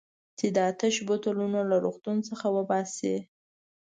چې دا تش بوتلونه له روغتون څخه وباسي.